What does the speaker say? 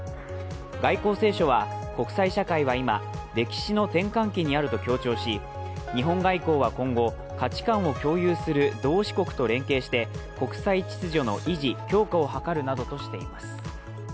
外交青書は国際社会は今、歴史の転換期にあると強調し日本外交は今後、価値観を共有する同志国と連携して国際秩序の維持・強化を図るなどとしています。